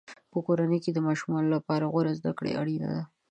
په کورنۍ کې د ماشومانو لپاره غوره زده کړه اړینه ده.